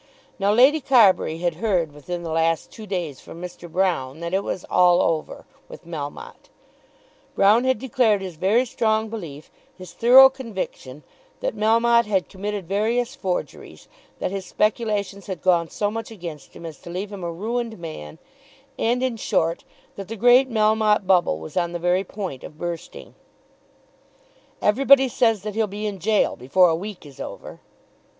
Now Lady Carbury had heard within the last two days from Mr. Broune that "it was all over" with Melmotte. Broune had declared his very strong belief, his thorough conviction, that Melmotte had committed various forgeries, that his speculations had gone so much against him as to leave him a ruined man, and, in short, that the great Melmotte bubble was on the very point of bursting. "Everybody says that he'll be in gaol before a week is over."